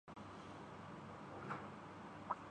تو ٹیم کے کپتان کی۔